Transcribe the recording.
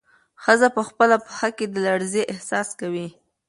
ښځه په خپله پښه کې د لړزې احساس کوي.